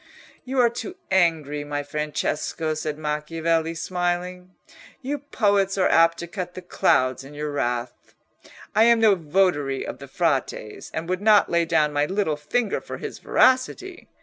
"You are too angry, my Francesco," said Macchiavelli, smiling; "you poets are apt to cut the clouds in your wrath. I am no votary of the Frate's, and would not lay down my little finger for his veracity.